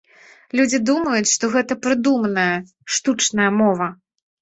Людзі думаюць, што гэта прыдуманая, штучная мова.